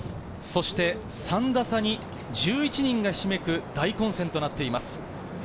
そして３打差に１１人がひしめく大混戦となっています。